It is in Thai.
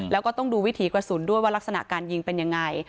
แล้วก็ต้องดูวิถีกระสุนด้วยว่ารักษณะการยิงเป็นยังไง